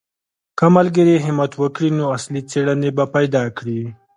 که ملګري همت وکړي نو اصلي څېړنې به پیدا کړي.